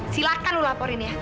silahkan lu laporin ya